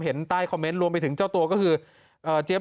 เห็นใต้คอมเมนต์รวมไปถึงเจ้าตัวก็คือเอ่อเจีเอบ